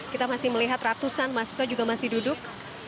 kita masih melihat ratusan mahasiswa juga masih duduk